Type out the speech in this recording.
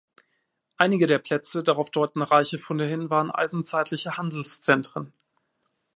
Einige der Plätze, darauf deuten reiche Funde hin, waren eisenzeitliche Handelszentren.